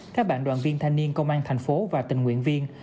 các bạn đoàn viên thanh niên công an tp hcm và tình nguyện viên